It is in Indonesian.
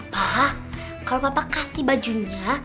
pa kalau papa kasih bajunya